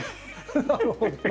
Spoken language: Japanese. なるほどな。